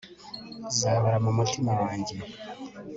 uzahora mumutima wanjye